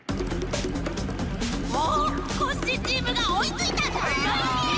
おおコッシーチームがおいついた！はいや！